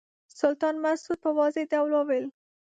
سلطان مسعود په واضح ډول وویل.